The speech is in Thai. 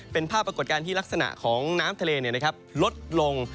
เป็นภาพปรากฏการณ์ที่ลักษณะของน้ำทะเลเนี่ยนะครับลดลง